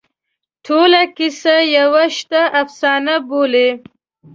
ټوله کیسه یوه تشه افسانه بولي.